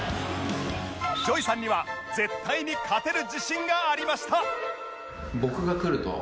ＪＯＹ さんには絶対に勝てる自信がありました